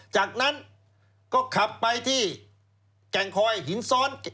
จากนั้นก็ขับไปที่แก่งคอยหินซ้อน